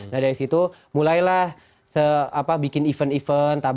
nah dari situ mulailah bikin event event